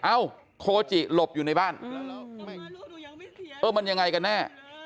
เอ้าโคจิหลบอยู่ในบ้านเออมันยังไงกันแน่